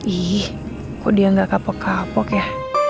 ih kok dia gak kapok kapok ya